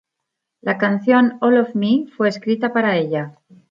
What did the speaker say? La canción "All of Me" fue escrita para ella.